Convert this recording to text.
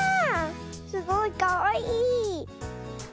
すごいかわいい。